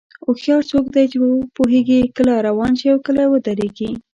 هوښیار څوک دی چې پوهېږي کله روان شي او کله ودرېږي.